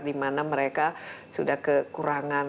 dimana mereka sudah kekurangan